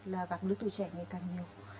là gặp lứa tuổi trẻ ngày càng nhiều